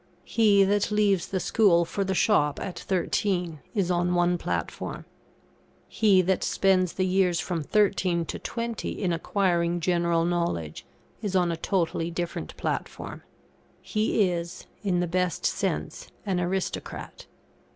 He that leaves the school for the shop at thirteen, is on one platform. He that spends the years from thirteen to twenty in acquiring general knowledge, is on a totally different platform; he is, in the best sense, an aristocrat.